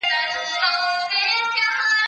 زه پرون د کتابتون پاکوالی وکړ!.